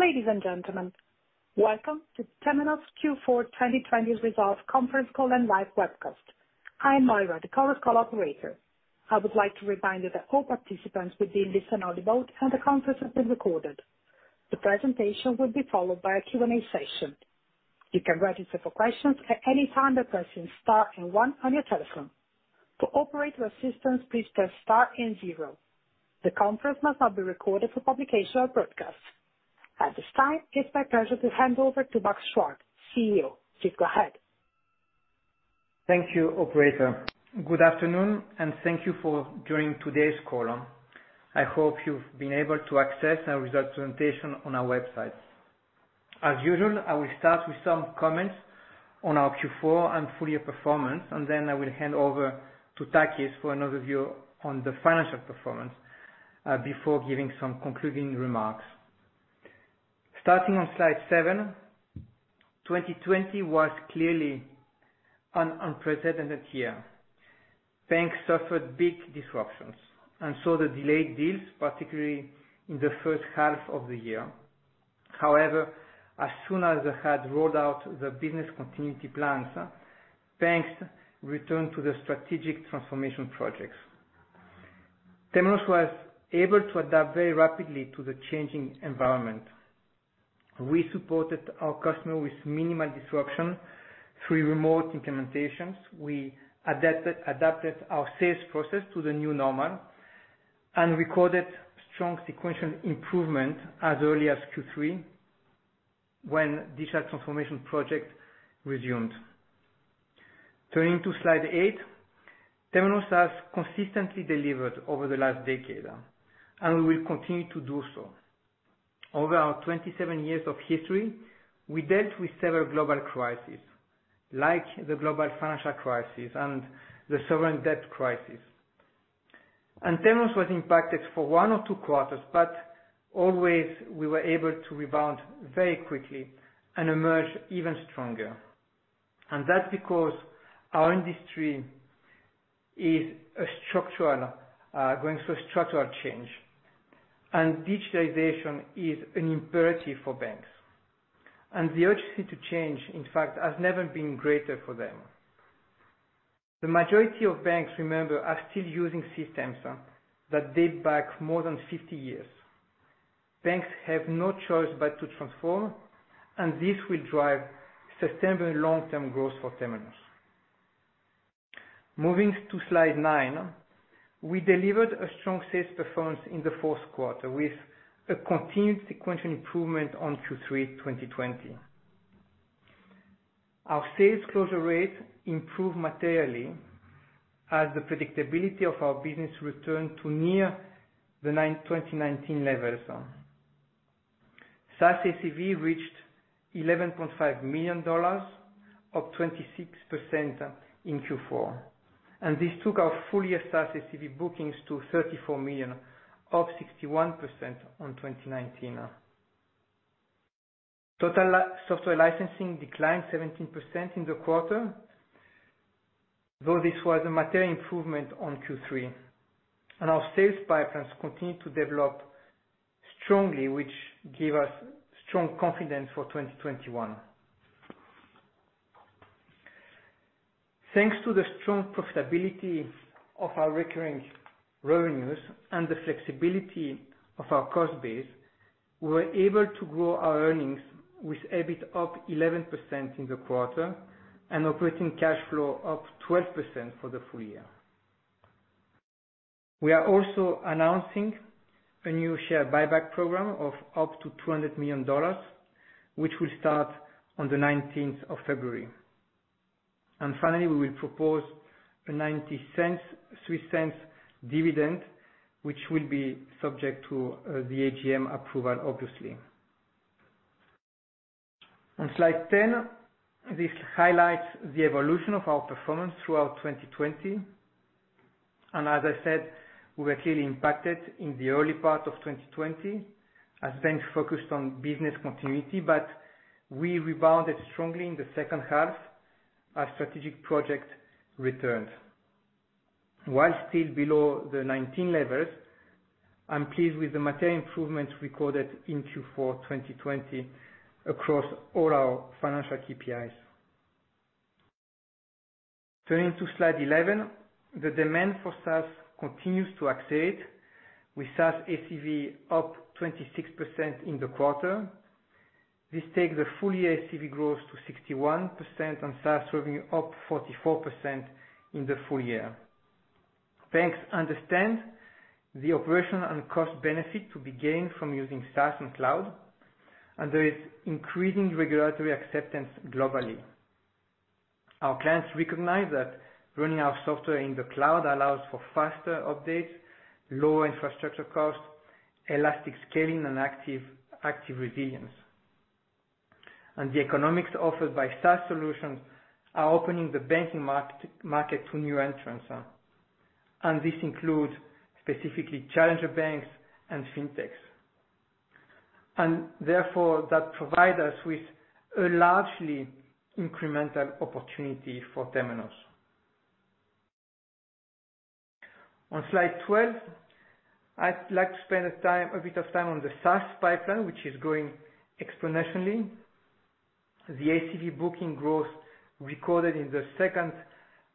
Ladies and gentlemen, welcome to Temenos Q4 2020 Results Conference Call and live webcast. I am Myra, the conference call operator. I would like to remind you that all participants within this and on the phone and the conference has been recorded. The presentation will be followed by a Q&A session. You can register for questions at any time by pressing star and one on your telephone. For operator assistance, please press star and zero. The conference must not be recorded for publication or broadcast. At this time, it's my pleasure to hand over to Max Chuard, CEO. Please go ahead. Thank you, operator. Good afternoon, and thank you for joining today's call. I hope you've been able to access our results presentation on our website. As usual, I will start with some comments on our Q4 and full year performance, and then I will hand over to Takis for an overview on the financial performance, before giving some concluding remarks. Starting on slide seven. 2020 was clearly an unprecedented year. Banks suffered big disruptions and saw the delayed deals, particularly in the first half of the year. However, as soon as they had rolled out the business continuity plans, banks returned to the strategic transformation projects. Temenos was able to adapt very rapidly to the changing environment. We supported our customer with minimal disruption through remote implementations. We adapted our sales process to the new normal and recorded strong sequential improvement as early as Q3 when digital transformation project resumed. Turning to slide eight. Temenos has consistently delivered over the last decade, and we will continue to do so. Over our 27 years of history, we dealt with several global crises, like the global financial crisis and the sovereign debt crisis. Temenos was impacted for one or two quarters, but always we were able to rebound very quickly and emerge even stronger. That's because our industry is going through a structural change, and digitalization is an imperative for banks. The urgency to change, in fact, has never been greater for them. The majority of banks, remember, are still using systems that date back more than 50 years. Banks have no choice but to transform, and this will drive sustainable long-term growth for Temenos. Moving to slide nine. We delivered a strong sales performance in the fourth quarter with a continued sequential improvement on Q3 2020. Our sales closure rate improved materially as the predictability of our business returned to near the 2019 levels. SaaS ACV reached $11.5 million, up 26% in Q4. This took our full year SaaS ACV bookings to $34 million, up 61% on 2019. Total software licensing declined 17% in the quarter, though this was a material improvement on Q3. Our sales pipelines continued to develop strongly, which give us strong confidence for 2021. Thanks to the strong profitability of our recurring revenues and the flexibility of our cost base, we were able to grow our earnings with EBIT up 11% in the quarter and operating cash flow up 12% for the full year. We are also announcing a new share buyback program of up to $200 million, which will start on the 19th of February. Finally, we will propose a 0.90 dividend, which will be subject to the AGM approval, obviously. On slide 10, this highlights the evolution of our performance throughout 2020. As I said, we were clearly impacted in the early part of 2020 as banks focused on business continuity. We rebounded strongly in the second half as strategic project returned. Still below the 2019 levels, I'm pleased with the material improvements recorded in Q4 2020 across all our financial KPIs. Turning to slide 11. The demand for SaaS continues to accelerate with SaaS ACV up 26% in the quarter. This takes the full year ACV growth to 61% on SaaS revenue up 44% in the full year. Banks understand the operational and cost benefit to be gained from using SaaS and cloud, and there is increasing regulatory acceptance globally. Our clients recognize that running our software in the cloud allows for faster updates, lower infrastructure costs, elastic scaling, and active resilience. The economics offered by SaaS solutions are opening the banking market to new entrants. This includes specifically challenger banks and fintechs. Therefore, that provide us with a largely incremental opportunity for Temenos. On slide 12, I'd like to spend a bit of time on the SaaS pipeline, which is growing exponentially. The ACV booking growth recorded in the second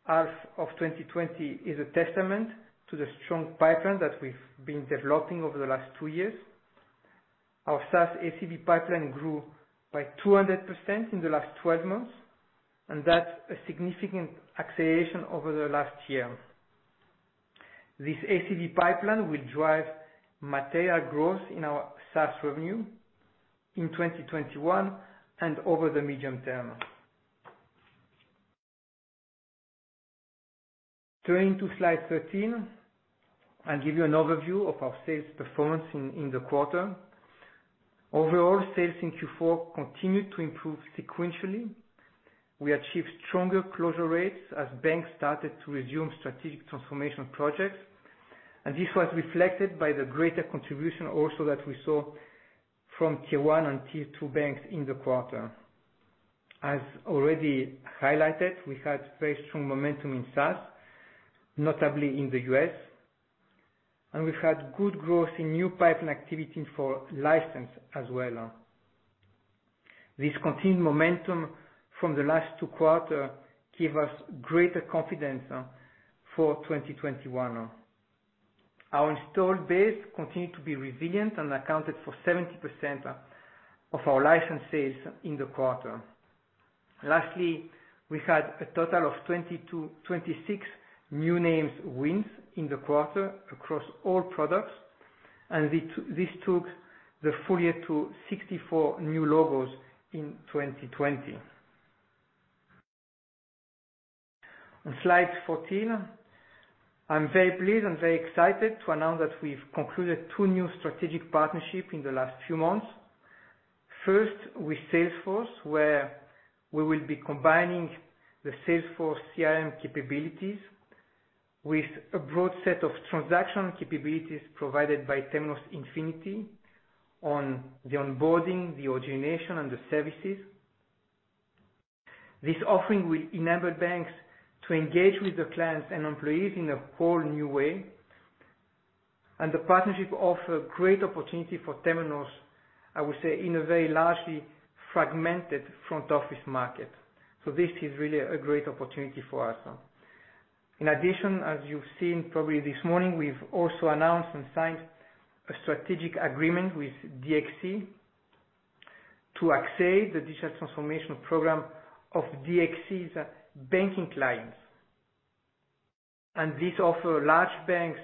half of 2020 is a testament to the strong pipeline that we've been developing over the last two years. Our SaaS ACV pipeline grew by 200% in the last 12 months, and that's a significant acceleration over the last year. This ACV pipeline will drive material growth in our SaaS revenue in 2021 and over the medium term. Turning to slide 13, I'll give you an overview of our sales performance in the quarter. Overall, sales in Q4 continued to improve sequentially. We achieved stronger closure rates as banks started to resume strategic transformation projects, and this was reflected by the greater contribution also that we saw from tier 1 and tier 2 banks in the quarter. As already highlighted, we had very strong momentum in SaaS, notably in the U.S., and we've had good growth in new pipeline activity for license as well. This continued momentum from the last two quarter give us greater confidence for 2021. Our installed base continued to be resilient and accounted for 70% of our license sales in the quarter. Lastly, we had a total of 26 new names wins in the quarter across all products, and this took the full year to 64 new logos in 2020. On slide 14, I'm very pleased and very excited to announce that we've concluded two new strategic partnership in the last few months. First, with Salesforce, where we will be combining the Salesforce CRM capabilities with a broad set of transaction capabilities provided by Temenos Infinity on the onboarding, the origination, and the services. This offering will enable banks to engage with the clients and employees in a whole new way, the partnership offer great opportunity for Temenos, I would say, in a very largely fragmented front office market. This is really a great opportunity for us. In addition, as you've seen probably this morning, we've also announced and signed a strategic agreement with DXC to accelerate the digital transformation program of DXC's banking clients. This offer large banks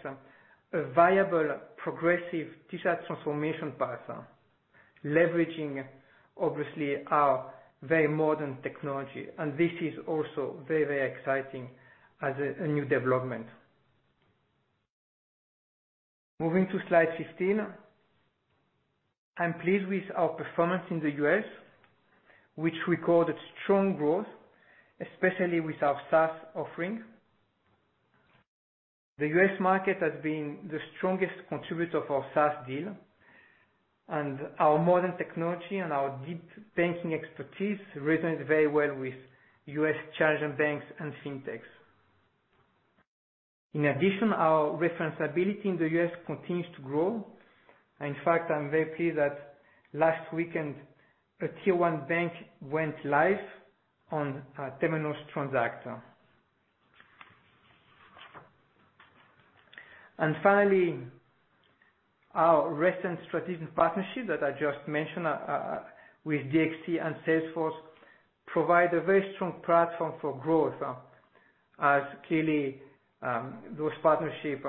a viable progressive digital transformation path, leveraging obviously our very modern technology. This is also very exciting as a new development. Moving to slide 15. I'm pleased with our performance in the U.S., which recorded strong growth, especially with our SaaS offering. The U.S. market has been the strongest contributor for our SaaS deal, and our modern technology and our deep banking expertise resonates very well with U.S. challenger banks and FinTechs. In addition, our referenceability in the U.S. continues to grow. In fact, I'm very pleased that last weekend, a tier 1 bank went live on Temenos Transact. Finally, our recent strategic partnership that I just mentioned, with DXC and Salesforce, provide a very strong platform for growth as, clearly, those partnership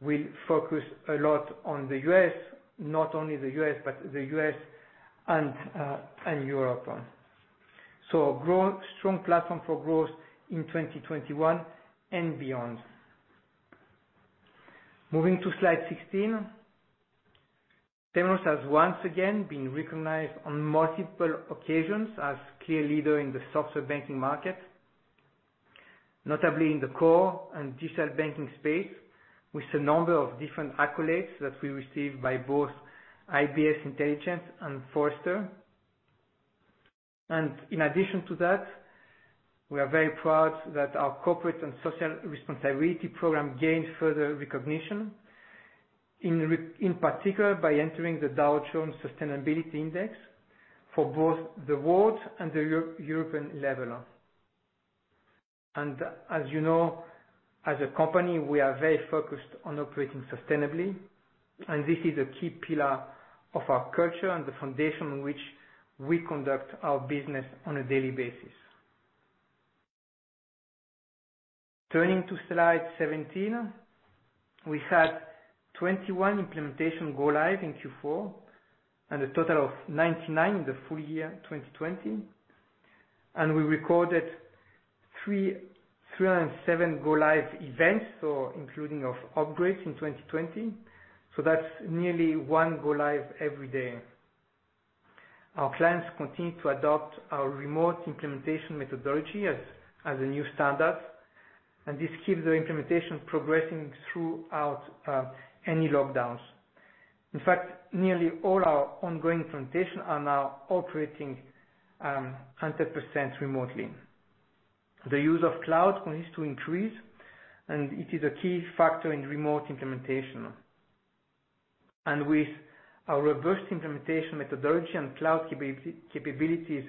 will focus a lot on the U.S., not only the U.S., but the U.S. and Europe. A strong platform for growth in 2021 and beyond. Moving to slide 16. Temenos has once again been recognized on multiple occasions as clear leader in the software banking market, notably in the core and digital banking space, with a number of different accolades that we received by both IBS Intelligence and Forrester. In addition to that, we are very proud that our corporate and social responsibility program gained further recognition in particular by entering the Dow Jones Sustainability Index for both the world and the European level. As you know, as a company, we are very focused on operating sustainably, and this is a key pillar of our culture and the foundation on which we conduct our business on a daily basis. Turning to slide 17. We had 21 implementation go live in Q4, and a total of 99 in the full year 2020. We recorded 307 go live events, so including of upgrades in 2020. That's nearly one go live every day. Our clients continue to adopt our remote implementation methodology as a new standard, and this keeps the implementation progressing throughout any lockdowns. In fact, nearly all our ongoing implementation are now operating 100% remotely. The use of cloud continues to increase, and it is a key factor in remote implementation. With our reversed implementation methodology and cloud capabilities,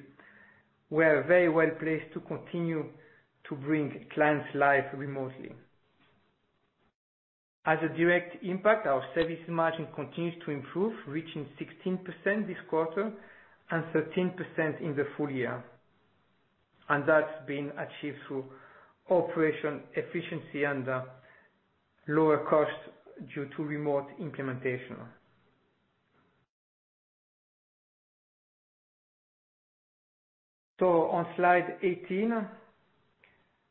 we are very well placed to continue to bring clients live remotely. As a direct impact, our service margin continues to improve, reaching 16% this quarter and 13% in the full year. That's been achieved through operation efficiency and lower cost due to remote implementation. On slide 18,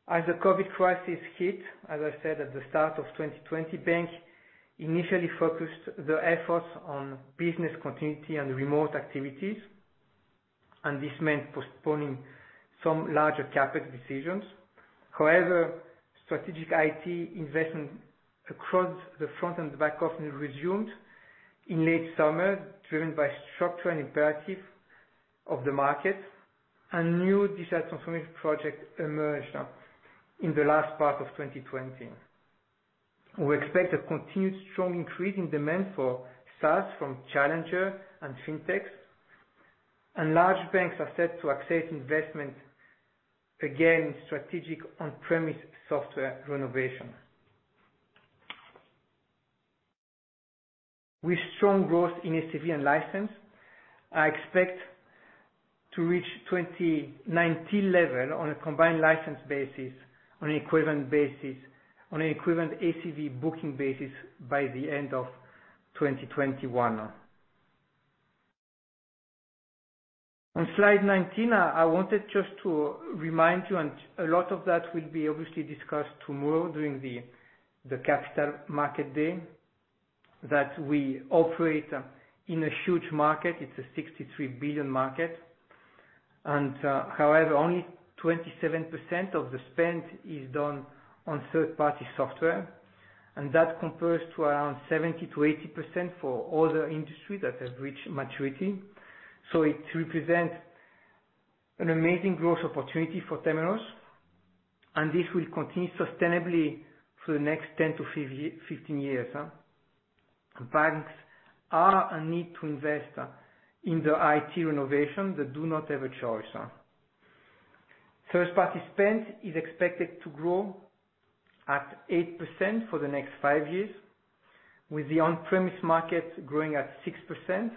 as the COVID crisis hit, as I said at the start of 2020, banks initially focused their efforts on business continuity and remote activities, and this meant postponing some larger CapEx decisions. However, strategic IT investment across the front and the back office resumed in late summer, driven by structural imperative of the market, and new digital transformation projects emerged in the last part of 2020. We expect a continued strong increase in demand for SaaS from challenger and Fintechs, and large banks are set to access investment, again, strategic on-premise software renovation. With strong growth in ACV and license, I expect to reach 2019 level on a combined license basis, on an equivalent ACV booking basis by the end of 2021. On slide 19, I wanted just to remind you, and a lot of that will be obviously discussed tomorrow during the Capital Markets Day, that we operate in a huge market. It's a 63 billion market. However, only 27% of the spend is done on third-party software, and that compares to around 70%-80% for other industry that have reached maturity. It represents an amazing growth opportunity for Temenos, and this will continue sustainably for the next 10-15 years. Banks are in need to invest in their IT renovation. They do not have a choice. First-party spend is expected to grow at 8% for the next five years, with the on-premise market growing at 6%.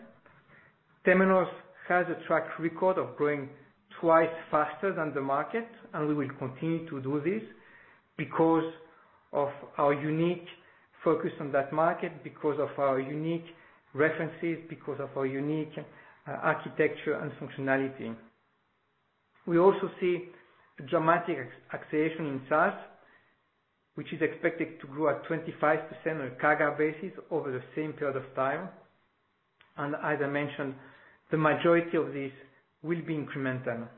Temenos has a track record of growing twice faster than the market, and we will continue to do this because of our unique focus on that market, because of our unique references, because of our unique architecture and functionality. We also see a dramatic acceleration in SaaS, which is expected to grow at 25% on a CAGR basis over the same period of time. As I mentioned, the majority of this will be incremental.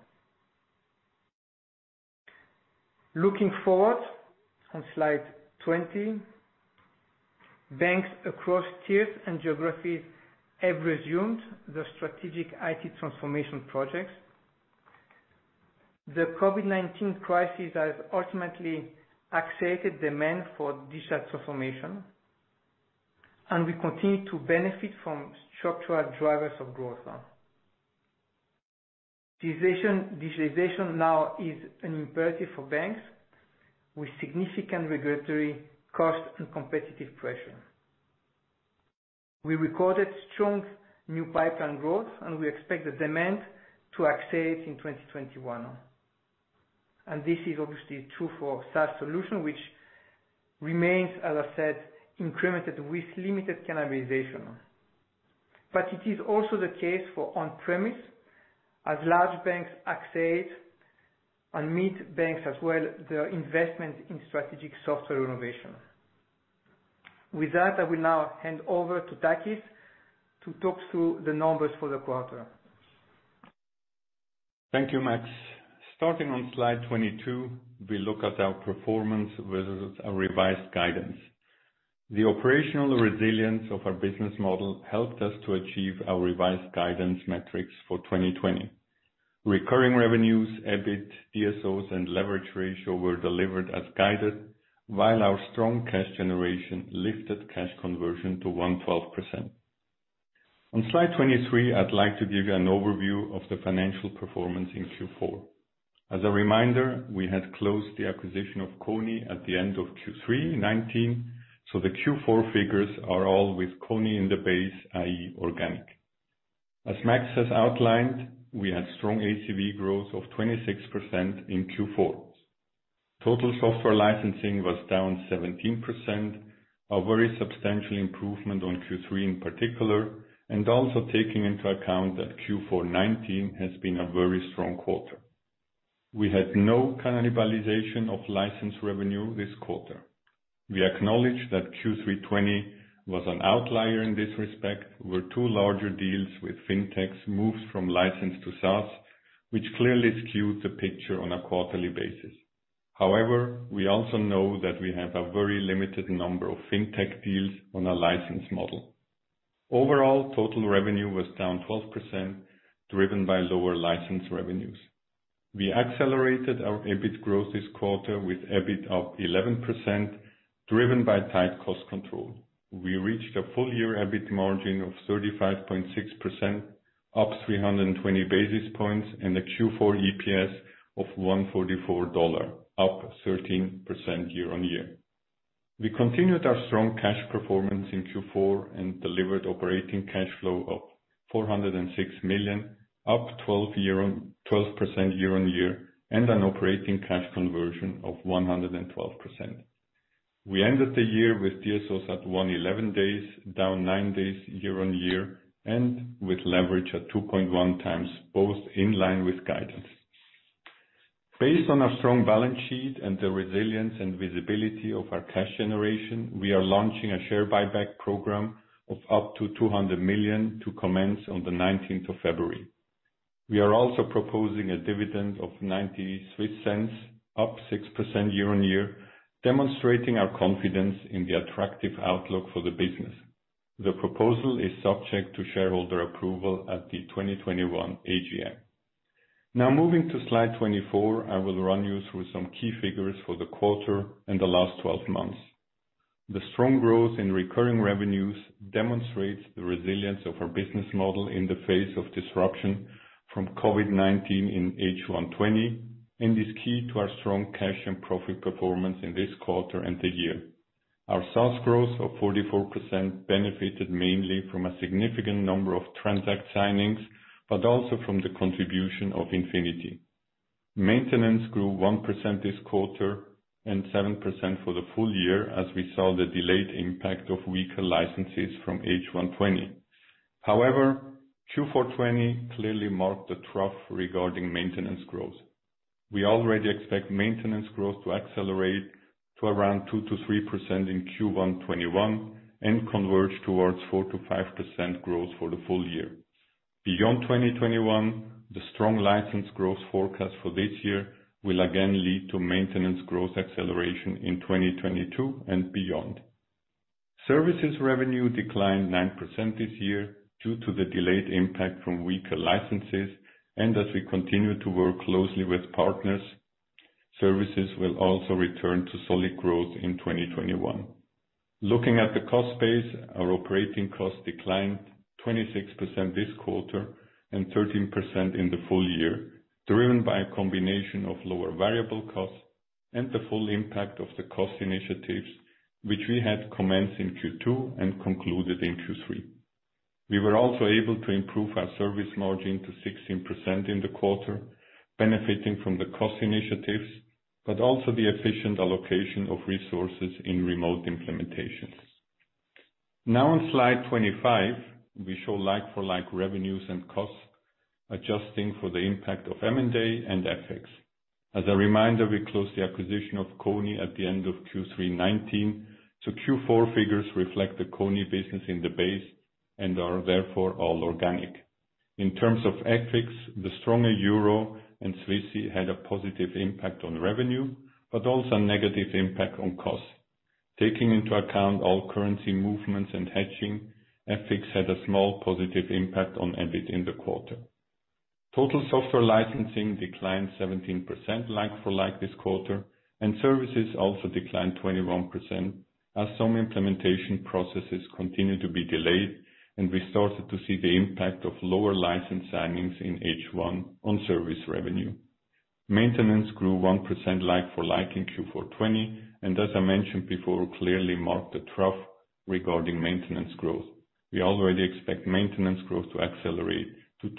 Looking forward, on slide 20, banks across tiers and geographies have resumed their strategic IT transformation projects. The COVID-19 crisis has ultimately accelerated demand for digital transformation, and we continue to benefit from structural drivers of growth. Digitalization now is an imperative for banks, with significant regulatory costs and competitive pressure. We recorded strong new pipeline growth, and we expect the demand to accelerate in 2021. This is obviously true for SaaS solution, which remains, as I said, incremental with limited cannibalization. It is also the case for on-premise, as large banks accelerate, and mid-banks as well, their investment in strategic software renovation. With that, I will now hand over to Takis to talk through the numbers for the quarter. Thank you, Max. Starting on slide 22, we look at our performance versus our revised guidance. The operational resilience of our business model helped us to achieve our revised guidance metrics for 2020. Recurring revenues, EBIT, DSOs, and leverage ratio were delivered as guided, while our strong cash generation lifted cash conversion to 112%. On slide 23, I'd like to give you an overview of the financial performance in Q4. As a reminder, we had closed the acquisition of Kony at the end of Q3 2019, so the Q4 figures are all with Kony in the base, i.e., organic. As Max has outlined, we had strong ACV growth of 26% in Q4. Total software licensing was down 17%, a very substantial improvement on Q3 in particular, and also taking into account that Q4 2019 has been a very strong quarter. We had no cannibalization of license revenue this quarter. We acknowledge that Q3 2020 was an outlier in this respect, where two larger deals with fintechs moved from licensed to SaaS, which clearly skewed the picture on a quarterly basis. However, we also know that we have a very limited number of fintech deals on a license model. Overall, total revenue was down 12%, driven by lower license revenues. We accelerated our EBIT growth this quarter with EBIT up 11%, driven by tight cost control. We reached a full-year EBIT margin of 35.6%, up 320 basis points, and a Q4 EPS of $144, up 13% year-on-year. We continued our strong cash performance in Q4 and delivered operating cash flow of $406 million, up 12% year-on-year, and an operating cash conversion of 112%. We ended the year with DSOs at 111 days, down nine days year-on-year, and with leverage at 2.1x, both in line with guidance. Based on our strong balance sheet and the resilience and visibility of our cash generation, we are launching a share buyback program of up to $200 million to commence on the 19th of February. We are also proposing a dividend of 0.90, up 6% year-on-year, demonstrating our confidence in the attractive outlook for the business. The proposal is subject to shareholder approval at the 2021 AGM. Moving to slide 24, I will run you through some key figures for the quarter and the last 12 months. The strong growth in recurring revenues demonstrates the resilience of our business model in the face of disruption from COVID-19 in H1 2020, and is key to our strong cash and profit performance in this quarter and the year. Our SaaS growth of 44% benefited mainly from a significant number of Transact signings, but also from the contribution of Infinity. Maintenance grew 1% this quarter and 7% for the full year as we saw the delayed impact of weaker licenses from H1 2020. However, Q4 2020 clearly marked the trough regarding maintenance growth. We already expect maintenance growth to accelerate to around 2%-3% in Q1 2021 and converge towards 4%-5% growth for the full year. Beyond 2021, the strong license growth forecast for this year will again lead to maintenance growth acceleration in 2022 and beyond. Services revenue declined 9% this year due to the delayed impact from weaker licenses and as we continue to work closely with partners, services will also return to solid growth in 2021. Looking at the cost base, our operating cost declined 26% this quarter and 13% in the full year, driven by a combination of lower variable costs and the full impact of the cost initiatives, which we had commenced in Q2 and concluded in Q3. We were also able to improve our service margin to 16% in the quarter, benefiting from the cost initiatives, but also the efficient allocation of resources in remote implementations. Now on slide 25, we show like-for-like revenues and costs, adjusting for the impact of M&A and FX. As a reminder, we closed the acquisition of Kony at the end of Q3 2019. Q4 figures reflect the Kony business in the base and are therefore all organic. In terms of FX, the stronger euro and Swissie had a positive impact on revenue, but also a negative impact on costs. Taking into account all currency movements and hedging, FX had a small positive impact on EBIT in the quarter. Total software licensing declined 17% like for like this quarter, and services also declined 21%, as some implementation processes continued to be delayed and we started to see the impact of lower license signings in H1 on service revenue. Maintenance grew 1% like for like in Q4 2020, and as I mentioned before, clearly marked a trough regarding maintenance growth. We already expect maintenance growth to accelerate to 2%-3%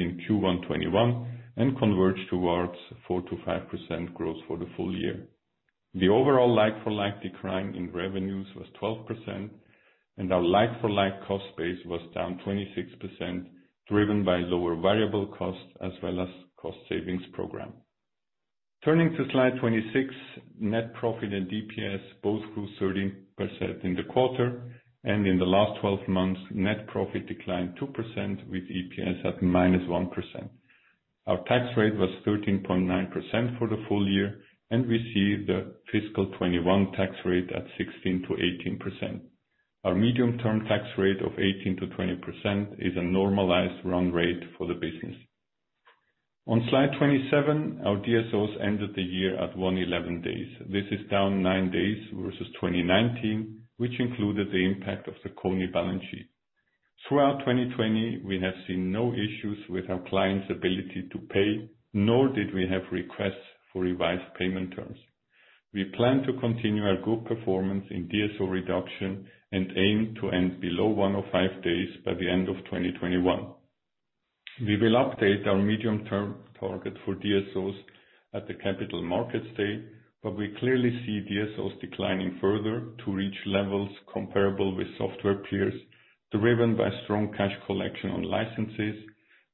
in Q1 2021 and converge towards 4%-5% growth for the full year. The overall like-for-like decline in revenues was 12%, and our like-for-like cost base was down 26%, driven by lower variable costs as well as cost savings program. Turning to slide 26, net profit and DPS both grew 13% in the quarter, and in the last 12 months, net profit declined 2% with EPS at -1%. Our tax rate was 13.9% for the full year, and we see the fiscal 2021 tax rate at 16%-18%. Our medium-term tax rate of 18%-20% is a normalized run rate for the business. On slide 27, our DSOs ended the year at 111 days. This is down nine days versus 2019, which included the impact of the Kony balance sheet. Throughout 2020, we have seen no issues with our clients' ability to pay, nor did we have requests for revised payment terms. We plan to continue our good performance in DSO reduction and aim to end below 105 days by the end of 2021. We will update our medium-term target for DSOs at the Capital Markets Day, but we clearly see DSOs declining further to reach levels comparable with software peers, driven by strong cash collection on licenses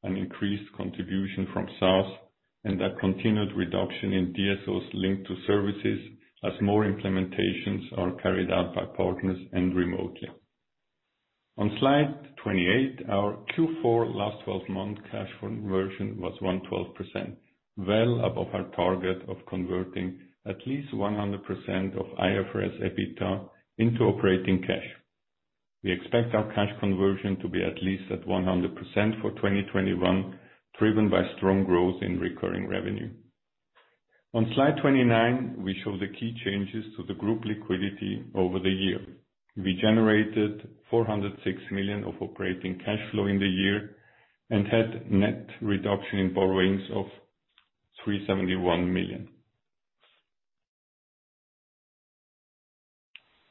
and increased contribution from SaaS and a continued reduction in DSOs linked to services as more implementations are carried out by partners and remotely. On slide 28, our Q4 last 12 month cash conversion was 112%, well above our target of converting at least 100% of IFRS EBITDA into operating cash. We expect our cash conversion to be at least at 100% for 2021, driven by strong growth in recurring revenue. On slide 29, we show the key changes to the group liquidity over the year. We generated 406 million of operating cash flow in the year and had net reduction in borrowings of 371 million.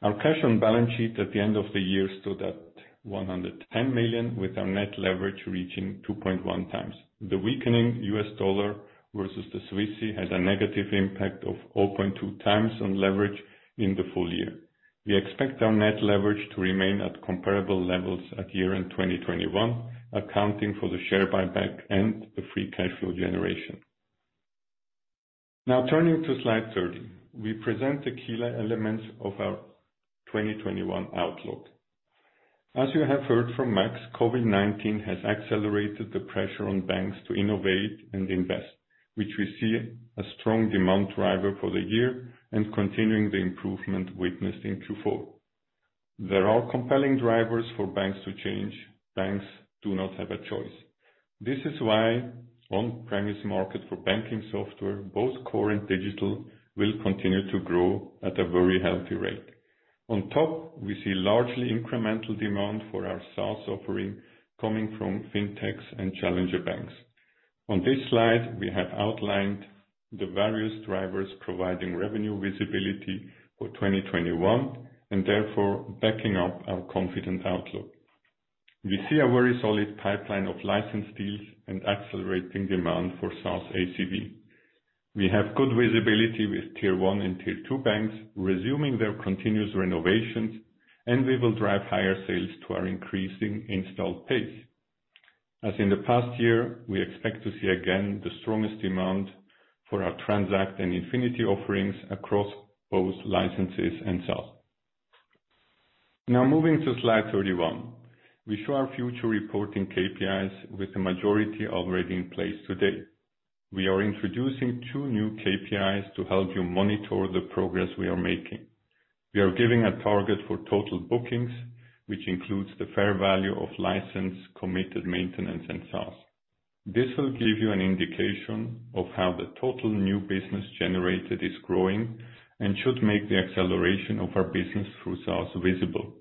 Our cash on balance sheet at the end of the year stood at 110 million, with our net leverage reaching 2.1x. The weakening U.S. dollar versus the Swissie had a negative impact of 0.2x on leverage in the full year. We expect our net leverage to remain at comparable levels at year-end 2021, accounting for the share buyback and the free cash flow generation. Turning to slide 30, we present the key elements of our 2021 outlook. As you have heard from Max, COVID-19 has accelerated the pressure on banks to innovate and invest, which we see a strong demand driver for the year and continuing the improvement witnessed in Q4. There are compelling drivers for banks to change. Banks do not have a choice. This is why on-premise market for banking software, both core and digital, will continue to grow at a very healthy rate. On top, we see largely incremental demand for our SaaS offering coming from fintechs and challenger banks. On this slide, we have outlined the various drivers providing revenue visibility for 2021 and therefore backing up our confident outlook. We see a very solid pipeline of license deals and accelerating demand for SaaS ACV. We have good visibility with tier 1 and tier 2 banks resuming their continuous renovations, and we will drive higher sales to our increasing installed base. As in the past year, we expect to see again the strongest demand for our Transact and Infinity offerings across both licenses and SaaS. Now moving to slide 31, we show our future reporting KPIs with the majority already in place today. We are introducing two new KPIs to help you monitor the progress we are making. We are giving a target for total bookings, which includes the fair value of license, committed maintenance and SaaS. This will give you an indication of how the total new business generated is growing and should make the acceleration of our business through SaaS visible.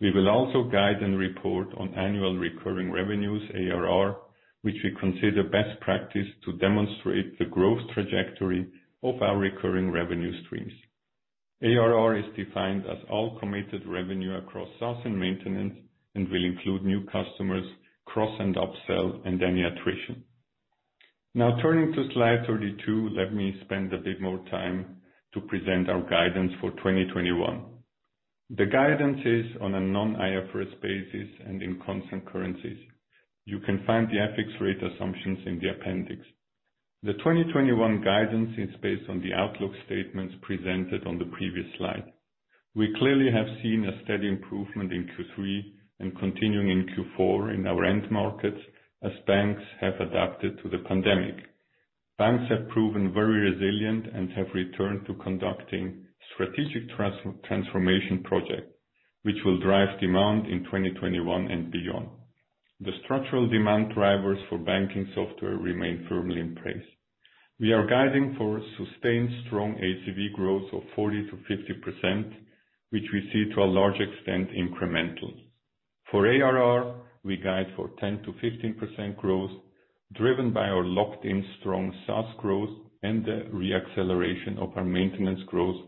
We will also guide and report on annual recurring revenues, ARR, which we consider best practice to demonstrate the growth trajectory of our recurring revenue streams. ARR is defined as all committed revenue across SaaS and maintenance and will include new customers, cross and upsell and any attrition. Now turning to slide 32, let me spend a bit more time to present our guidance for 2021. The guidance is on a non-IFRS basis and in constant currencies. You can find the FX rate assumptions in the appendix. The 2021 guidance is based on the outlook statements presented on the previous slide. We clearly have seen a steady improvement in Q3 and continuing in Q4 in our end markets as banks have adapted to the pandemic. Banks have proven very resilient and have returned to conducting strategic transformation projects, which will drive demand in 2021 and beyond. The structural demand drivers for banking software remain firmly in place. We are guiding for sustained strong ACV growth of 40%-50%, which we see to a large extent incremental. For ARR, we guide for 10%-15% growth, driven by our locked-in strong SaaS growth and the re-acceleration of our maintenance growth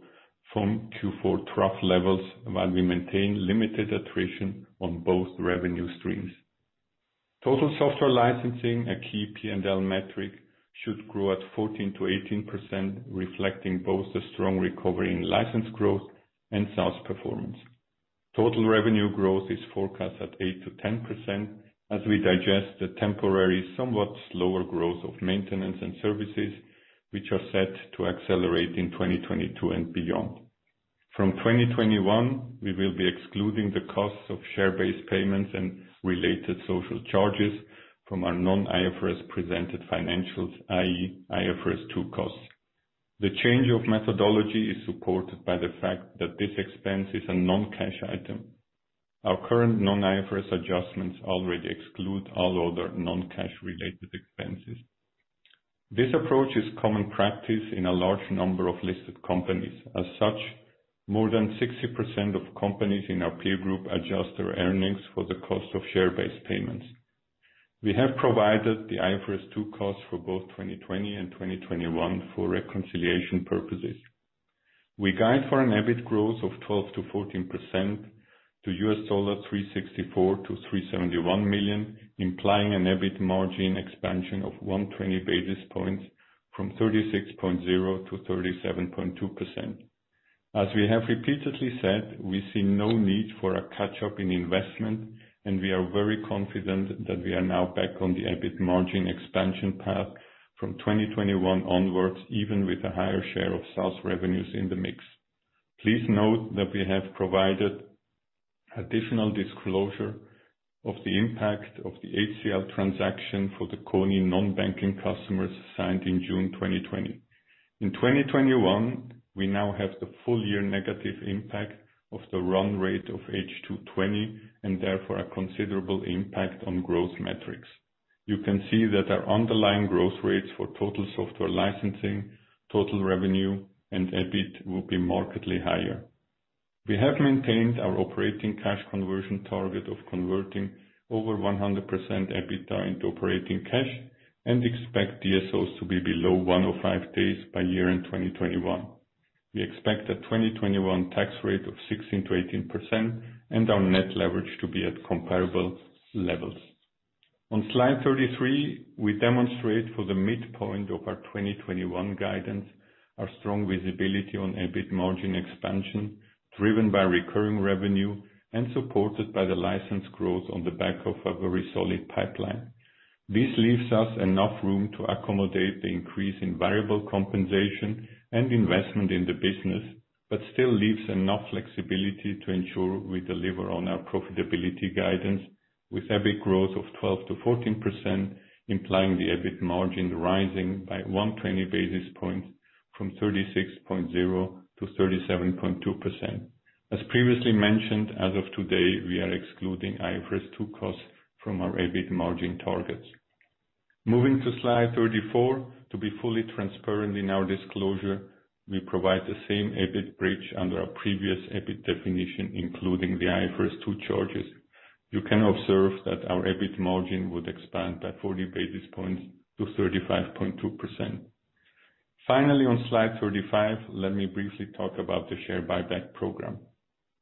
from Q4 trough levels, while we maintain limited attrition on both revenue streams. Total software licensing, a key P&L metric, should grow at 14%-18%, reflecting both the strong recovery in license growth and SaaS performance. Total revenue growth is forecast at 8%-10% as we digest the temporary, somewhat slower growth of maintenance and services, which are set to accelerate in 2022 and beyond. From 2021, we will be excluding the costs of share-based payments and related social charges from our non-IFRS presented financials, i.e., IFRS 2 costs. The change of methodology is supported by the fact that this expense is a non-cash item. Our current non-IFRS adjustments already exclude all other non-cash related expenses. This approach is common practice in a large number of listed companies. As such, more than 60% of companies in our peer group adjust their earnings for the cost of share-based payments. We have provided the IFRS 2 costs for both 2020 and 2021 for reconciliation purposes. We guide for an EBIT growth of 12%-14% to $364 million-$371 million, implying an EBIT margin expansion of 120 basis points from 36.0%-37.2%. As we have repeatedly said, we see no need for a catch-up in investment, and we are very confident that we are now back on the EBIT margin expansion path from 2021 onwards, even with a higher share of SaaS revenues in the mix. Please note that we have provided additional disclosure of the impact of the HCL transaction for the Kony non-banking customers signed in June 2020. In 2021, we now have the full year negative impact of the run rate of H2 2020, and therefore a considerable impact on growth metrics. You can see that our underlying growth rates for total software licensing, total revenue, and EBIT will be markedly higher. We have maintained our operating cash conversion target of converting over 100% EBITDA into operating cash, and expect DSOs to be below 105 days by year-end 2021. We expect a 2021 tax rate of 16%-18%, and our net leverage to be at comparable levels. On slide 33, we demonstrate for the midpoint of our 2021 guidance, our strong visibility on EBIT margin expansion, driven by recurring revenue and supported by the license growth on the back of a very solid pipeline. This leaves us enough room to accommodate the increase in variable compensation and investment in the business, but still leaves enough flexibility to ensure we deliver on our profitability guidance, with EBIT growth of 12%-14%, implying the EBIT margin rising by 120 basis points from 36.0%-37.2%. As previously mentioned, as of today, we are excluding IFRS 2 costs from our EBIT margin targets. Moving to slide 34. To be fully transparent in our disclosure, we provide the same EBIT bridge under our previous EBIT definition, including the IFRS 2 charges. You can observe that our EBIT margin would expand by 40 basis points to 35.2%. Finally, on slide 35, let me briefly talk about the share buyback program.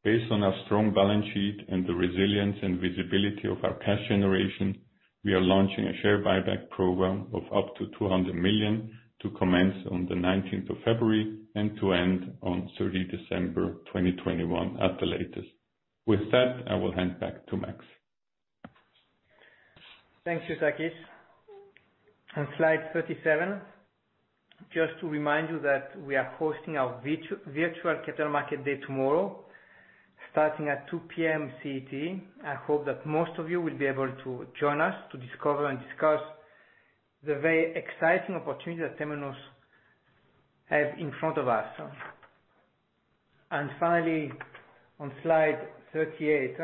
Based on our strong balance sheet and the resilience and visibility of our cash generation, we are launching a share buyback program of up to $200 million to commence on the 19th of February, and to end on 30 December 2021 at the latest. With that, I will hand back to Max. Thank you, Takis. On slide 37, just to remind you that we are hosting our virtual Capital Markets Day tomorrow, starting at 2:00 P.M. CET. I hope that most of you will be able to join us to discover and discuss the very exciting opportunity that Temenos has in front of us. Finally, on slide 38.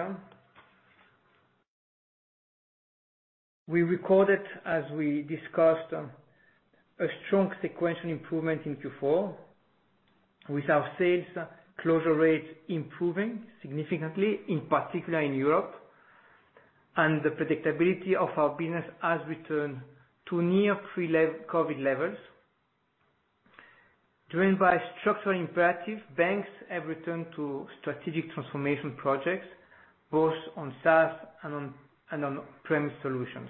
We recorded, as we discussed, a strong sequential improvement in Q4, with our sales closure rates improving significantly, in particular in Europe, and the predictability of our business has returned to near pre-COVID levels. Driven by structural imperative, banks have returned to strategic transformation projects, both on SaaS and on-premise solutions.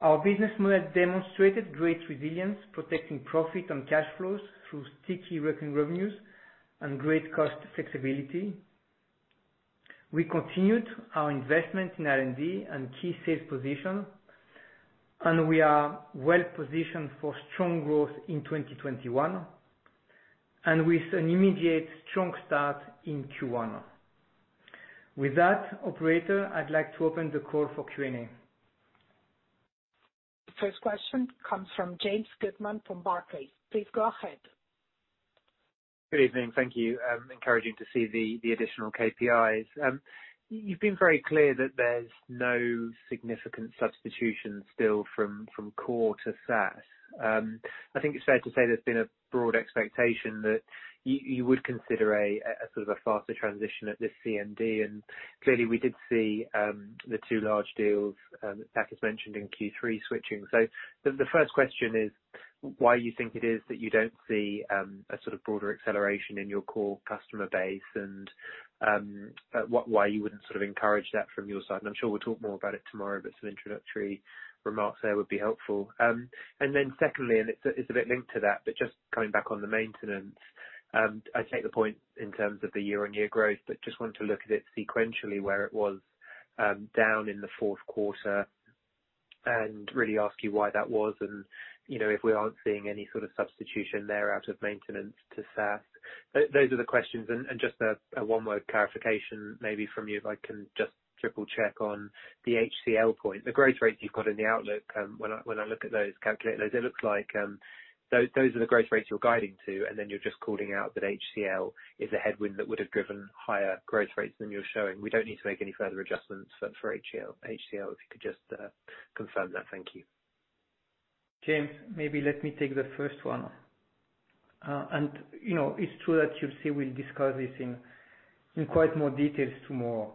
Our business model demonstrated great resilience, protecting profit and cash flows through sticky recurring revenues and great cost flexibility. We continued our investment in R&D and key sales position, and we are well-positioned for strong growth in 2021, and with an immediate strong start in Q1. With that, operator, I'd like to open the call for Q&A. First question comes from James Goodman from Barclays. Please go ahead. Good evening. Thank you. Encouraging to see the additional KPIs. You've been very clear that there's no significant substitution still from core to SaaS. I think it's fair to say there's been a broad expectation that you would consider a sort of a faster transition at this CMD. Clearly we did see the two large deals Takis mentioned in Q3 switching. The first question is why you think it is that you don't see a sort of broader acceleration in your core customer base and why you wouldn't sort of encourage that from your side? I'm sure we'll talk more about it tomorrow. Some introductory remarks there would be helpful. Secondly, it's a bit linked to that, but just coming back on the maintenance, I take the point in terms of the year-on-year growth, but just wanted to look at it sequentially where it was down in the fourth quarter and really ask you why that was and if we aren't seeing any sort of substitution there out of maintenance to SaaS. Those are the questions and just a one-word clarification maybe from you, if I can just triple check on the HCL point. The growth rates you've got in the outlook, when I look at those, calculate those, it looks like those are the growth rates you're guiding to, and then you're just calling out that HCL is a headwind that would have driven higher growth rates than you're showing. We don't need to make any further adjustments for HCL, if you could just confirm that. Thank you. James, maybe let me take the first one. It's true that you'll see we discuss this in quite more details tomorrow.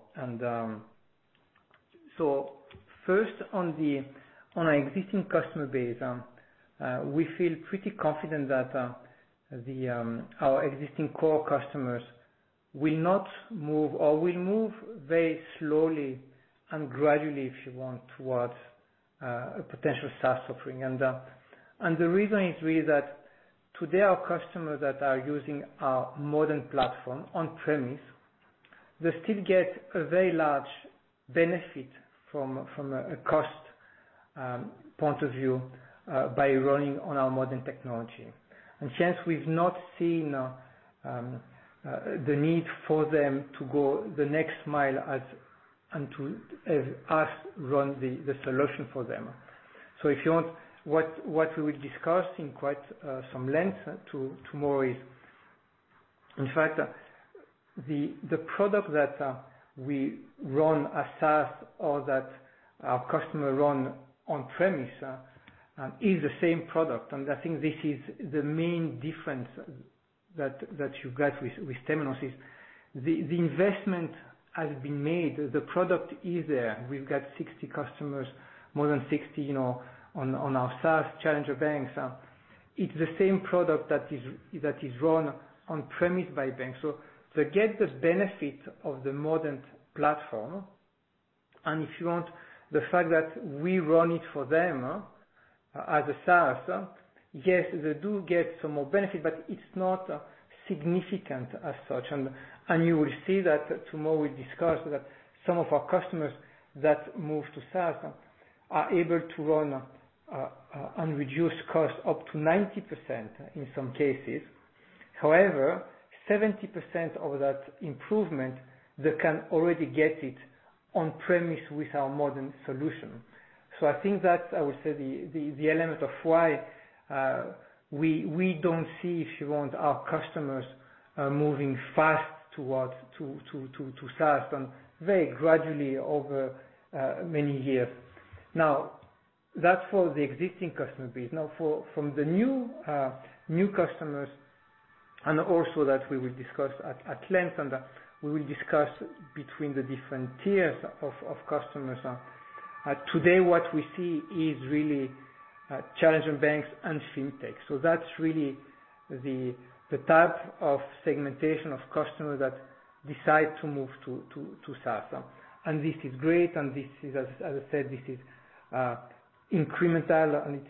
First, on our existing customer base, we feel pretty confident that our existing core customers will not move or will move very slowly and gradually, if you want, towards a potential SaaS offering. The reason is really that today our customers that are using our modern platform on-premise, they still get a very large benefit from a cost point of view by running on our modern technology. Since we've not seen the need for them to go the next mile and to have us run the solution for them. If you want, what we will discuss in quite some length tomorrow is, in fact, the product that we run as SaaS or that our customer run on-premise is the same product. I think this is the main difference that you've got with Temenos is the investment has been made. The product is there. We've got 60 customers, more than 60, on our SaaS challenger banks. It's the same product that is run on-premise by banks. They get the benefit of the modern platform, and if you want, the fact that we run it for them as a SaaS, yes, they do get some more benefit, but it's not significant as such. You will see that tomorrow we discuss that some of our customers that move to SaaS are able to run and reduce costs up to 90% in some cases. However, 70% of that improvement, they can already get it on-premise with our modern solution. I think that's, I would say, the element of why we don't see, if you want, our customers moving fast towards to SaaS, and very gradually over many years. That's for the existing customer base. From the new customers and also that we will discuss at length, and we will discuss between the different tiers of customers. Today, what we see is really challenger banks and fintech. That's really the type of segmentation of customers that decide to move to SaaS. This is great, and as I said, this is incremental and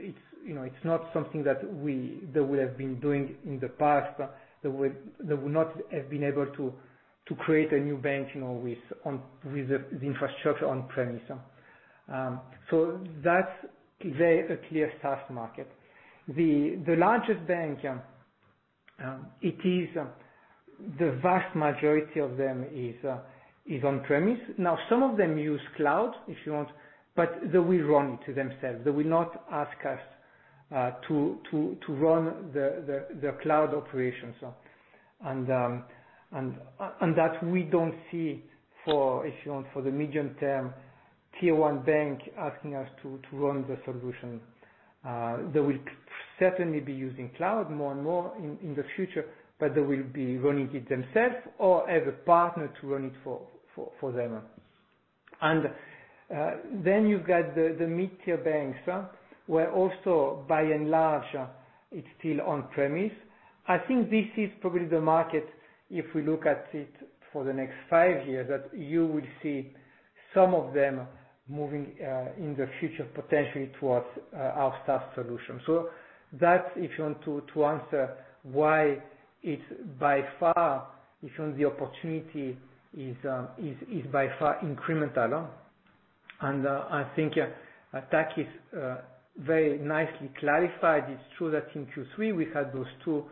it's not something that they would have been doing in the past. They would not have been able to create a new bank with the infrastructure on-premise. That's very a clear SaaS market. The largest bank, it is the vast majority of them is on-premise. Some of them use cloud, if you want, but they will run it themselves. They will not ask us to run their cloud operations. That we don't see for, if you want, for the medium term tier 1 bank asking us to run the solution. They will certainly be using cloud more and more in the future, but they will be running it themselves or as a partner to run it for them. You've got the mid-tier banks, where also by and large, it's still on-premise. I think this is probably the market, if we look at it for the next five years, that you will see some of them moving, in the future, potentially towards our SaaS solution. That's, if you want to answer why it's by far, if you want the opportunity, is by far incremental. I think Takis very nicely clarified. It's true that in Q3 we had those two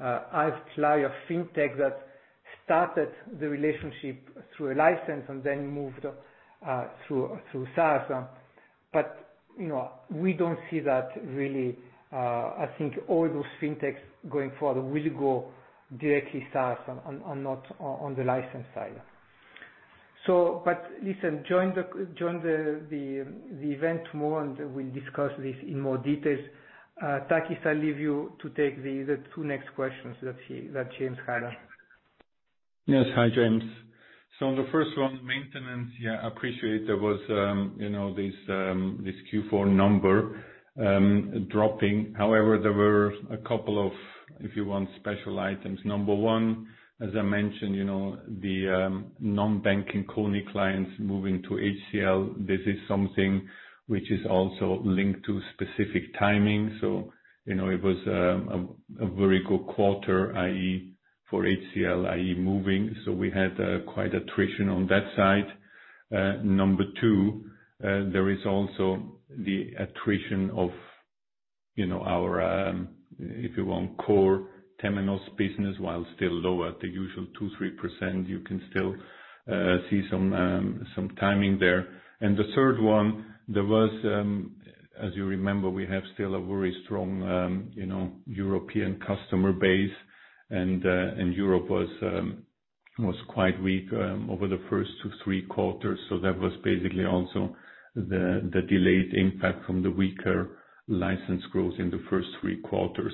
outlier FinTech that started the relationship through a license and then moved through SaaS. We don't see that really. I think all those FinTechs going forward will go directly SaaS and not on the license side. Listen, join the event more, and we'll discuss this in more details. Takis, I'll leave you to take the two next questions that James had. Yes. Hi, James. On the first one, maintenance. Yeah, appreciate there was this Q4 number dropping. There were a couple of, if you want, special items. Number one, as I mentioned, the non-banking Kony clients moving to HCL. This is something which is also linked to specific timing. It was a very good quarter for HCL, i.e., moving. We had quite attrition on that side. Number two, there is also the attrition of our, if you want, core Temenos business, while still low at the usual 2%-3%, you can still see some timing there. The third one, as you remember, we have still a very strong European customer base. Europe was quite weak over the first 2-3 quarters. That was basically also the delayed impact from the weaker license growth in the first three quarters.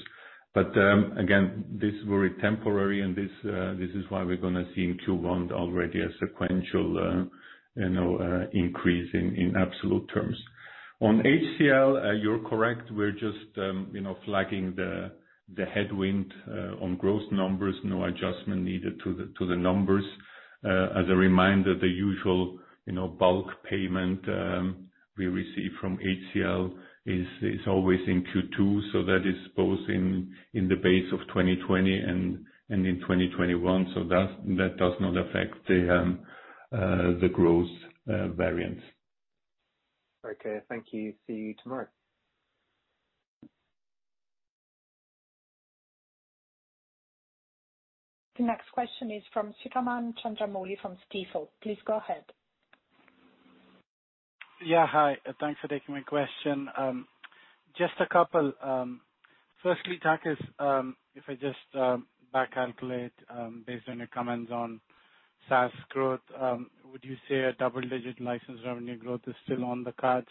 Again, this is very temporary, and this is why we're going to see in Q1 already a sequential increase in absolute terms. On HCL, you're correct. We're just flagging the headwind on growth numbers. No adjustment needed to the numbers. As a reminder, the usual bulk payment we receive from HCL is always in Q2. That is both in the base of 2020 and in 2021. That does not affect the growth variance. Okay. Thank you. See you tomorrow. The next question is from Chandramouli Sriraman from Stifel. Please go ahead. Hi. Thanks for taking my question. Just a couple. Firstly, Takis, if I just back calculate based on your comments on SaaS growth, would you say a double-digit license revenue growth is still on the cards?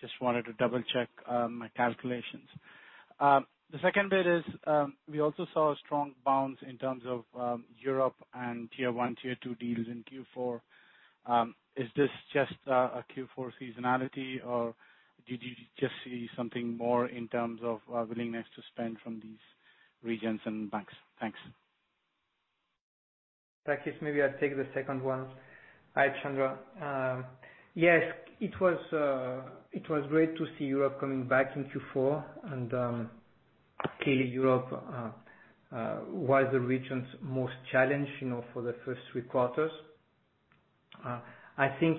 Just wanted to double-check my calculations. The second bit is, we also saw a strong bounce in terms of Europe and tier 1, tier 2 deals in Q4. Is this just a Q4 seasonality, or did you just see something more in terms of willingness to spend from these regions and banks? Thanks. Takis, maybe I'll take the second one. Hi, Chandra. Yes. It was great to see Europe coming back in Q4. Clearly Europe was the region's most challenged for the first three quarters. I think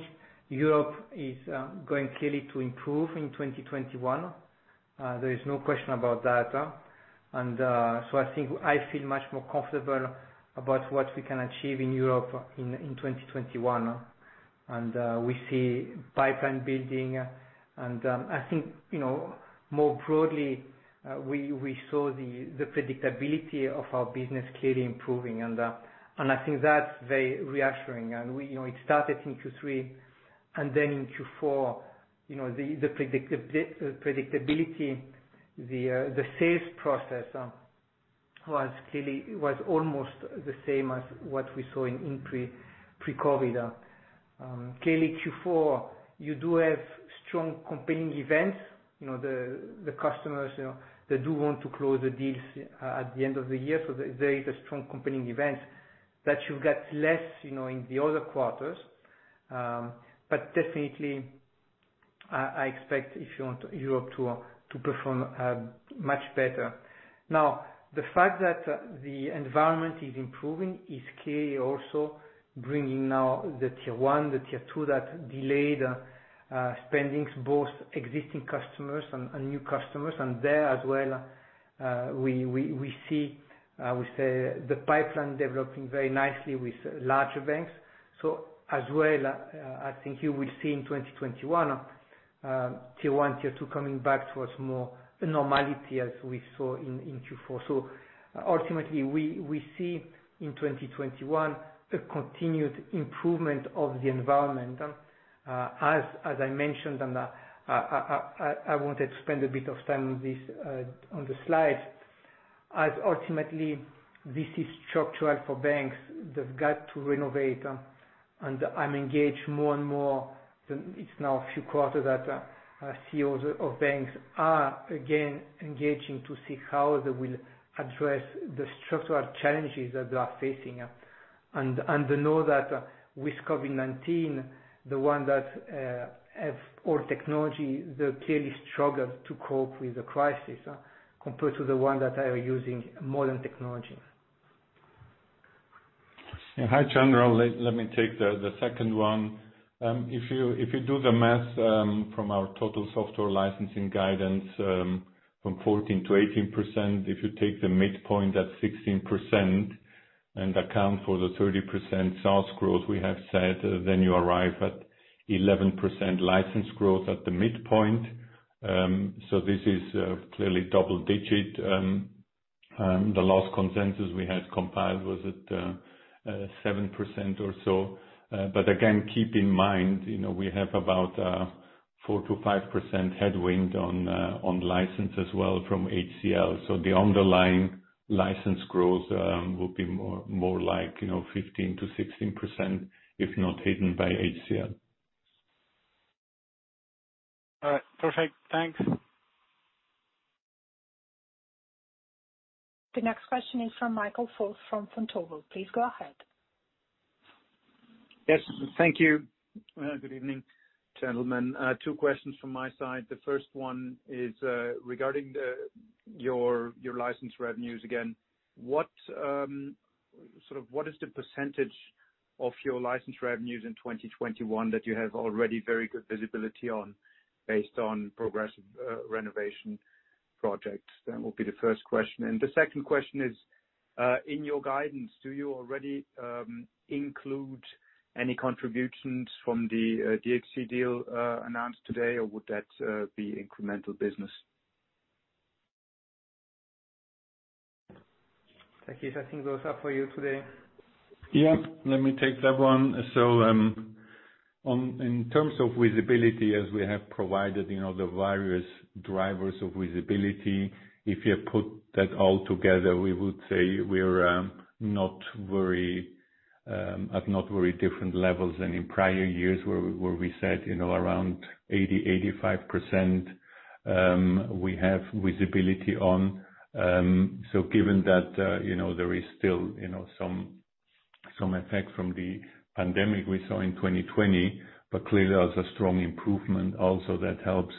Europe is going clearly to improve in 2021. There is no question about that. I feel much more comfortable about what we can achieve in Europe in 2021. We see pipeline building, and I think more broadly, we saw the predictability of our business clearly improving, and I think that's very reassuring. It started in Q3, and then in Q4, the predictability, the sales process was almost the same as what we saw in pre-COVID. Clearly Q4, you do have strong competing events. The customers that do want to close the deals at the end of the year. There is a strong competing event that you get less in the other quarters. Definitely, I expect if you want Europe to perform much better. The fact that the environment is improving is key also bringing now the tier 1, the tier 2 that delayed spendings, both existing customers and new customers. There as well, we see the pipeline developing very nicely with larger banks. As well, I think you will see in 2021 tier 1, tier 2 coming back towards more normality as we saw in Q4. Ultimately we see in 2021 a continued improvement of the environment. As I mentioned, and I wanted to spend a bit of time on the slide, as ultimately this is structural for banks, they've got to renovate, and I'm engaged more and more. It's now a few quarters that CEOs of banks are again engaging to see how they will address the structural challenges that they are facing. They know that with COVID-19, the ones that have old technology, they clearly struggled to cope with the crisis compared to the ones that are using modern technology. Yeah. Hi, Chandra. Let me take the second one. If you do the math from our total software licensing guidance from 14%-18%, if you take the midpoint at 16% and account for the 30% SaaS growth we have said, you arrive at 11% license growth at the midpoint. This is clearly double digit. The last consensus we had compiled was at 7% or so. Again, keep in mind we have about 4%-5% headwind on license as well from HCL. The underlying license growth will be more like 15%-16%, if not hidden by HCL. All right. Perfect. Thanks. The next question is from Michael Foeth from Vontobel. Please go ahead. Yes. Thank you. Good evening, gentlemen. Two questions from my side. The first one is regarding your license revenues again. What is the percentage of your license revenues in 2021 that you have already very good visibility on based on progressive renovation projects? That will be the first question. The second question is, in your guidance, do you already include any contributions from the DXC deal announced today, or would that be incremental business? Takis, I think those are for you today. Yeah. Let me take that one. In terms of visibility as we have provided the various drivers of visibility, if you put that all together, we would say we're at not very different levels than in prior years where we said around 80%-85% we have visibility on. Given that there is still some effect from the pandemic we saw in 2020, but clearly there's a strong improvement also that helps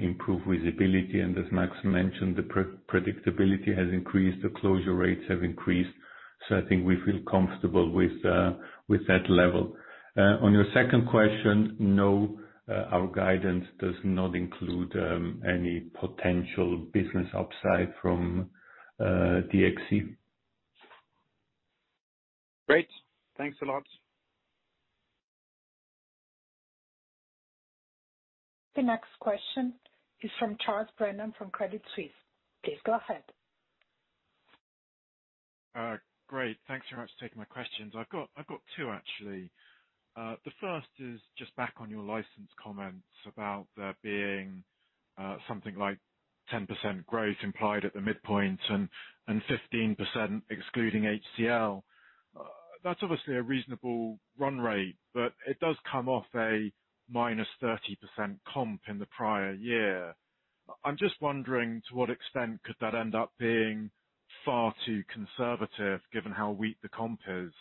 improve visibility. As Max mentioned, the predictability has increased, the closure rates have increased. I think we feel comfortable with that level. On your second question, no, our guidance does not include any potential business upside from DXC. Great. Thanks a lot. The next question is from Charles Brennan from Credit Suisse. Please go ahead. Great. Thanks very much for taking my questions. I've got two, actually. The first is just back on your license comments about there being something like 10% growth implied at the midpoint and 15% excluding HCL. That's obviously a reasonable run rate, but it does come off a minus 30% comp in the prior year. I'm just wondering to what extent could that end up being far too conservative given how weak the comp is?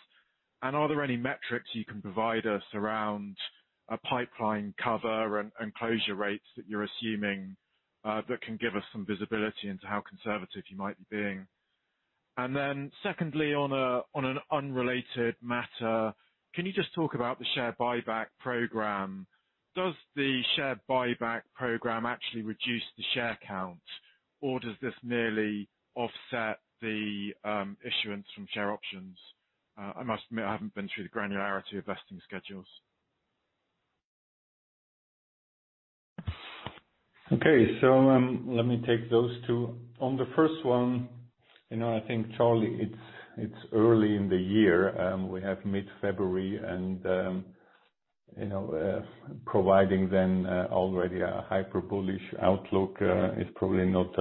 Are there any metrics you can provide us around a pipeline cover and closure rates that you're assuming, that can give us some visibility into how conservative you might be being? Secondly, on an unrelated matter, can you just talk about the share buyback program? Does the share buyback program actually reduce the share count, or does this merely offset the issuance from share options? I must admit, I haven't been through the granularity of vesting schedules. Okay. Let me take those two. On the first one, I think, Charlie, it's early in the year. We have mid-February and providing them already a hyper bullish outlook is probably not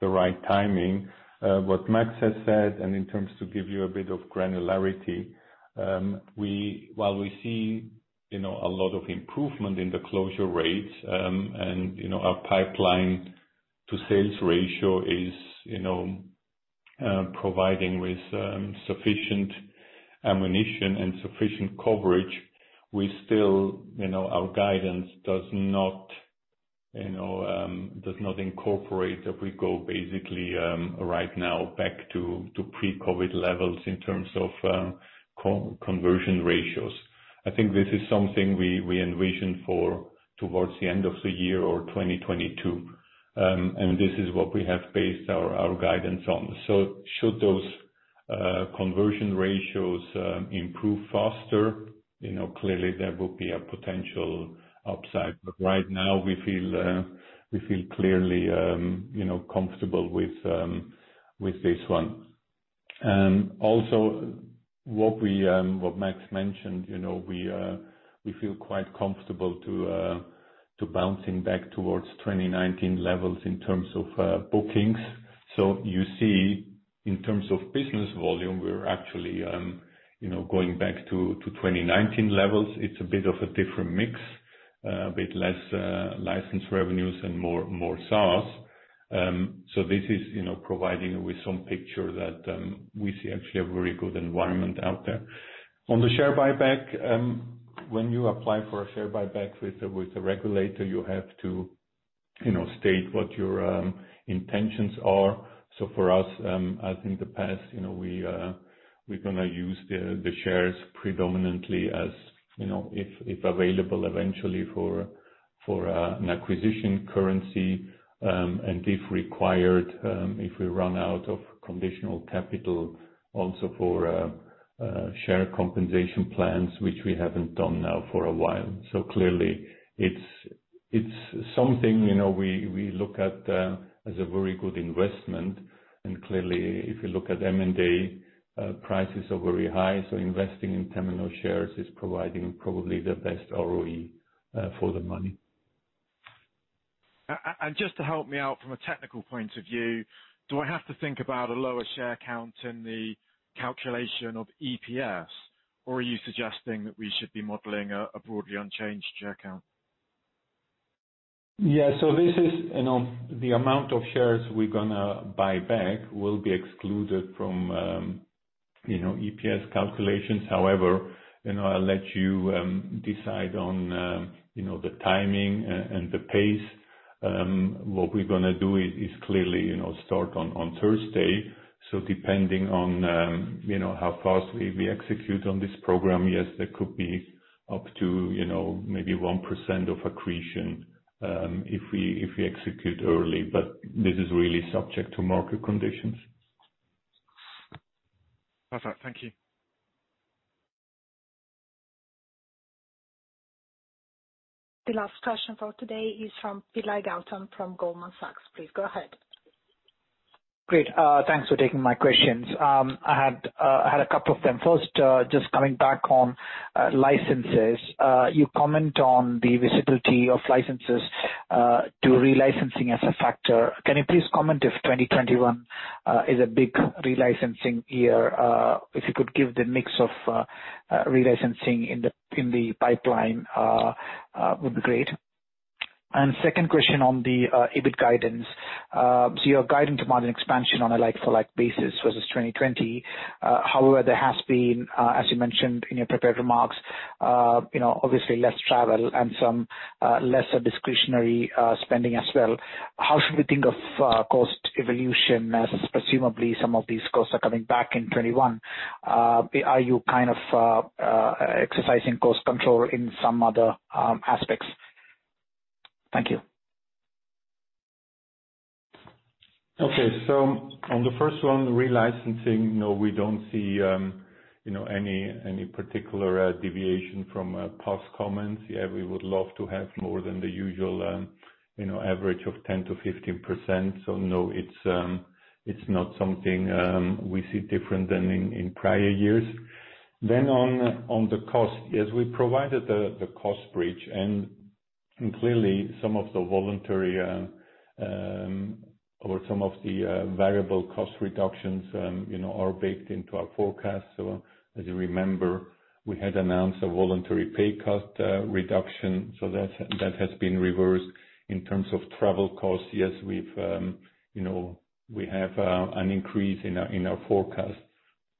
the right timing. What Max has said, and in terms to give you a bit of granularity, while we see a lot of improvement in the closure rates and our pipeline-to-sales ratio is providing with sufficient ammunition and sufficient coverage, our guidance does not incorporate if we go basically right now back to pre-COVID-19 levels in terms of conversion ratios. I think this is something we envision for towards the end of the year or 2022. This is what we have based our guidance on. Should those conversion ratios improve faster, clearly there will be a potential upside. Right now we feel clearly comfortable with this one. What Max mentioned, we feel quite comfortable to bouncing back towards 2019 levels in terms of bookings. You see in terms of business volume, we're actually going back to 2019 levels. It's a bit of a different mix, a bit less license revenues and more SaaS. This is providing with some picture that we see actually a very good environment out there. On the share buyback, when you apply for a share buyback with the regulator, you have to state what your intentions are. For us, as in the past, we're going to use the shares predominantly as if available eventually for an acquisition currency, and if required, if we run out of conditional capital also for share compensation plans, which we haven't done now for a while. Clearly it's something we look at as a very good investment. Clearly if you look at M&A, prices are very high. Investing in Temenos shares is providing probably the best ROE for the money. Just to help me out from a technical point of view, do I have to think about a lower share count in the calculation of EPS, or are you suggesting that we should be modeling a broadly unchanged share count? Yeah. The amount of shares we're going to buy back will be excluded from EPS calculations. However, I'll let you decide on the timing and the pace. What we're going to do is clearly start on Thursday. Depending on how fast we execute on this program, yes, there could be up to maybe 1% of accretion if we execute early. This is really subject to market conditions. Perfect. Thank you. The last question for today is from Gautam Pillai from Goldman Sachs. Please go ahead. Great. Thanks for taking my questions. I had a couple of them. First, just coming back on licenses. You comment on the visibility of licenses to relicensing as a factor. Can you please comment if 2021 is a big relicensing year? If you could give the mix of relicensing in the pipeline would be great. Second question on the EBIT guidance. Your guidance margin expansion on a like for like basis versus 2020. However, there has been, as you mentioned in your prepared remarks, obviously less travel and some lesser discretionary spending as well. How should we think of cost evolution as presumably some of these costs are coming back in 2021? Are you exercising cost control in some other aspects? Thank you. On the first one, relicensing, no, we don't see any particular deviation from past comments. We would love to have more than the usual average of 10%-15%. No, it's not something we see different than in prior years. On the cost, yes, we provided the cost bridge, and clearly, some of the voluntary or some of the variable cost reductions are baked into our forecast. As you remember, we had announced a voluntary pay cut reduction, so that has been reversed. In terms of travel costs, yes, we have an increase in our forecast.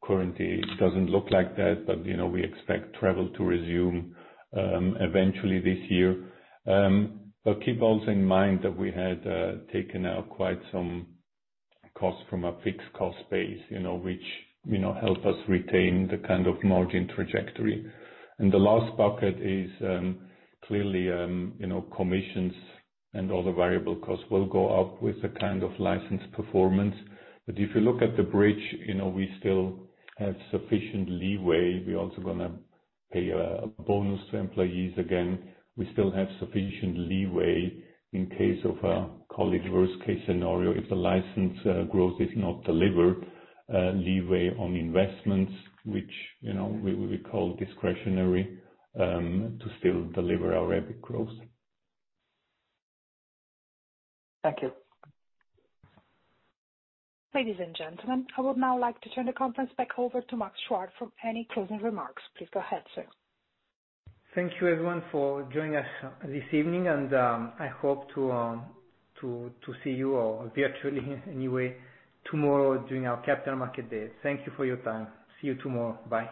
Currently, it doesn't look like that, but we expect travel to resume eventually this year. Keep also in mind that we had taken out quite some cost from our fixed cost base, which help us retain the kind of margin trajectory. The last bucket is clearly commissions and other variable costs will go up with the kind of license performance. If you look at the bridge, we still have sufficient leeway. We're also going to pay a bonus to employees again. We still have sufficient leeway in case of a call it worst-case scenario, if the license growth is not delivered, leeway on investments, which we would call discretionary, to still deliver our EBIT growth. Thank you. Ladies and gentlemen, I would now like to turn the conference back over to Max Chuard for any closing remarks. Please go ahead, sir. Thank you, everyone, for joining us this evening, and I hope to see you all virtually anyway tomorrow during our Capital Markets Day. Thank you for your time. See you tomorrow. Bye.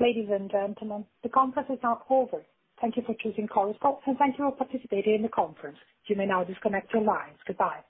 Ladies and gentlemen, the conference is now over. Thank you for choosing Chorus Call, and thank you for participating in the conference. You may now disconnect your lines. Goodbye.